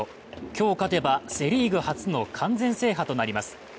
今日勝てば、セ・リーグ初の完全制覇となります。